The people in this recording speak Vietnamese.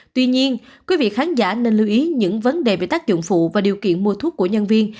tuy nhiên quý vị khán giả nên lưu ý những vấn đề về tác dụng phụ và điều kiện mua thuốc của nhân viên